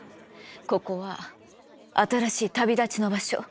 ここは新しい旅立ちの場所。